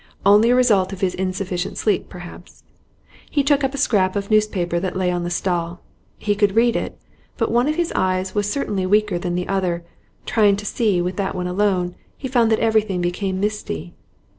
Only a result of his insufficient sleep perhaps. He took up a scrap of newspaper that lay on the stall; he could read it, but one of his eyes was certainly weaker than the other; trying to see with that one alone, he found that everything became misty.